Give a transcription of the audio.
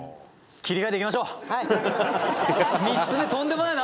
「切り替えていきましょう」